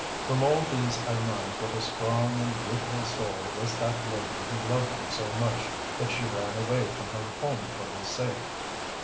From all these I learned what a strong and beautiful soul was that lady who loved him so much that she ran away from her home for his sake.